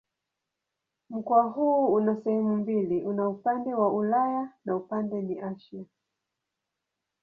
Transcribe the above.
Mkoa huu una sehemu mbili: una upande wa Ulaya na upande ni Asia.